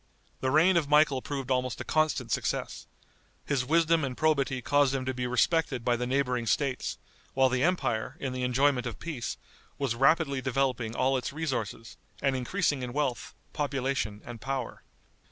The reign of Michael proved almost a constant success. His wisdom and probity caused him to be respected by the neighboring States, while the empire, in the enjoyment of peace, was rapidly developing all its resources, and increasing in wealth, population and power.